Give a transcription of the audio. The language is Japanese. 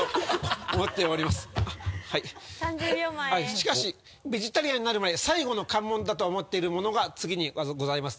しかしベジタリアンになる前に最後の関門だと思っているものが次にございます。